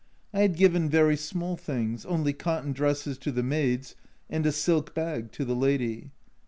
I had given very small things, only cotton dresses to the maids, and a silk bag to the lady.